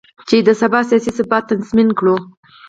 چې د سبا سیاسي ثبات تضمین کړو.